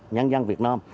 nhân dân việt nam